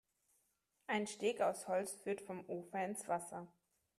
Ein Steg aus Holz führt vom Ufer ins Wasser.